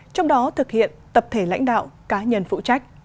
trong đó thực hiện tập thể lãnh đạo cá nhân phụ trách